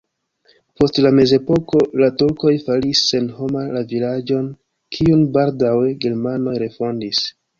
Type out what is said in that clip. Post la mezepoko la turkoj faris senhoma la vilaĝon, kiun baldaŭe germanoj refondis.